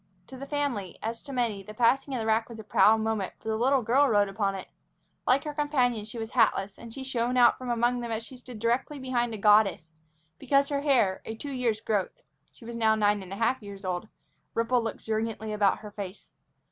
To the family, as to many, the passing of the rack was a proud moment, for the little girl rode upon it. Like her companions, she was hatless, and she shone out from among them as she stood directly behind the goddess, because her hair, a two years' growth she was now nine and a half years old rippled luxuriantly about her face.